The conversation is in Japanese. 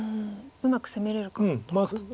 うまく攻めれるかどうかと。